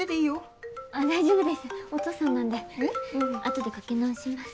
後でかけ直します。